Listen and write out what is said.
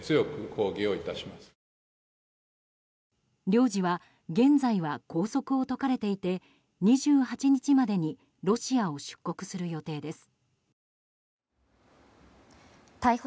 領事は現在は拘束を解かれていて２８日までにロシアを出国する予定です。